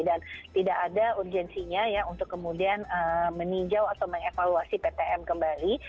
dan tidak ada urgensinya ya untuk kemudian meninjau atau mengevaluasi ptn kembali